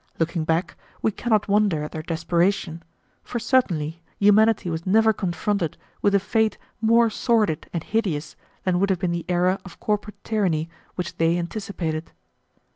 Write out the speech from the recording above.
Looking back, we cannot wonder at their desperation, for certainly humanity was never confronted with a fate more sordid and hideous than would have been the era of corporate tyranny which they anticipated.